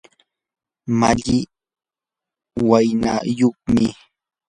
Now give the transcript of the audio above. malli waynayuqmi.